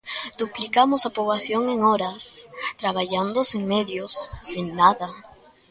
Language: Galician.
Duplicamos a poboación en horas, traballando sen medios, sen nada.